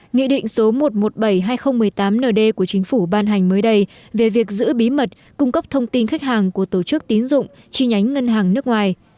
nghị định số một trăm một mươi bảy hai nghìn một mươi tám nd của chính phủ ban hành mới đây về việc giữ bí mật cung cấp thông tin khách hàng của tổ chức tín dụng chi nhánh ngân hàng nước ngoài